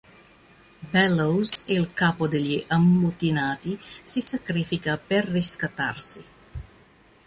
Bellows, il capo degli ammutinati, si sacrifica per riscattarsi.